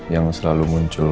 yang selalu muncul